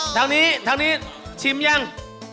ทางนี้ทางนี้ชิมยัง